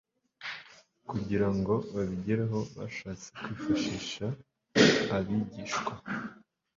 Kugira ngo babigereho bashatse kwifashisha abigishwa.